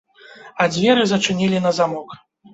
А дзверы зачынілі на замок.